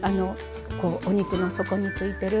お肉の底についてる